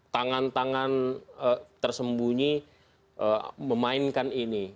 tangan tangan tersembunyi memainkan ini